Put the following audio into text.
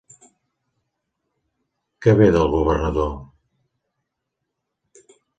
Què ve del governador?